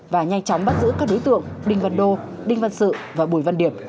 và nhanh chóng bắt giữ các đối tượng đinh văn đô đinh văn sự và bùi văn điệp